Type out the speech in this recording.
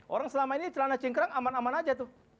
orang selama ini celana cingkrang aman aman saja